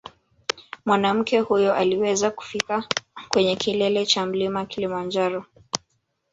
Mwanamke huyo aliweza kufika kwenye kilele cha mlima Kilimanjaro